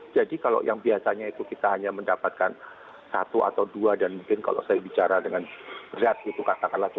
jadi kalau yang biasanya itu kita hanya mendapatkan satu atau dua dan mungkin kalau saya bicara dengan rat katakanlah cuma satu dua ons katakanlah begitu